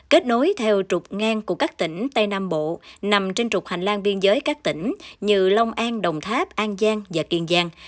kết nối theo trục ngang của các tỉnh tây nam bộ nằm trên trục hành lang biên giới các tỉnh như long an đồng tháp an giang và kiên giang